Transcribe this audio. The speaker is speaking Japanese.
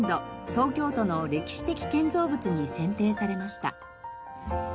東京都の歴史的建造物に選定されました。